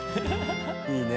いいね